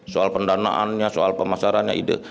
soal pendanaannya soal pemasarannya ide